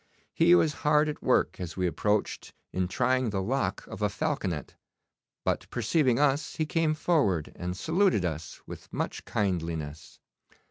He was hard at work as we approached in trying the lock of a falconet; but perceiving us, he came forward and saluted us with much kindliness.